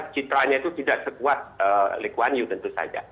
citraannya itu tidak sekuat lekuanyu tentu saja